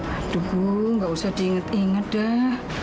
aduh bu gak usah diinget inget dah